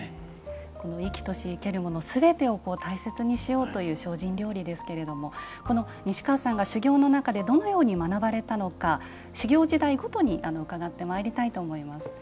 生きとし生けるものすべてを大切にしようという精進料理ですけれども西川さんが修行の中でどのように学ばれたのか修行時代ごとに伺ってまいりたいと思います。